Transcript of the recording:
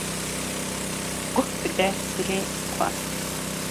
Guh bide dilê xwe.